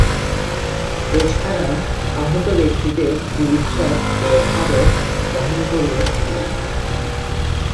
এ ছাড়া আহত ব্যক্তিদের চিকিত্সার ব্যয়ভারও বহন করবে কোম্পানিটি।